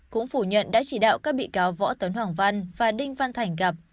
cũng phủ nhận đã chỉ đạo các bị cáo võ tấn hoàng văn và đinh văn thành gặp